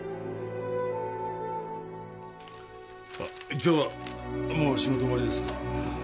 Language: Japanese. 今日はもう仕事終わりですか？